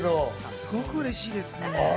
すごくうれしいです。